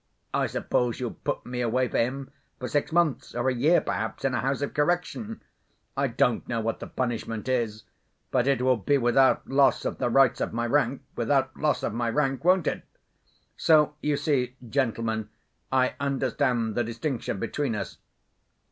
I suppose you'll put me away for him for six months, or a year perhaps, in a house of correction. I don't know what the punishment is—but it will be without loss of the rights of my rank, without loss of my rank, won't it? So you see, gentlemen, I understand the distinction between us....